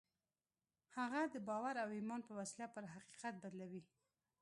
هغه د باور او ايمان په وسيله پر حقيقت بدلوي.